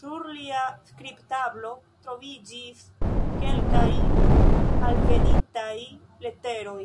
Sur lia skribtablo troviĝis kelkaj, ĵus alvenintaj leteroj.